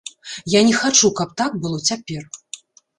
Я не хачу, каб так было цяпер.